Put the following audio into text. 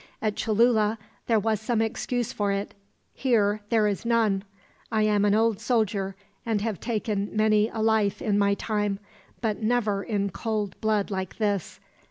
At Cholula there was some excuse for it. Here there is none. I am an old soldier, and have taken many a life in my time, but never in cold blood like this.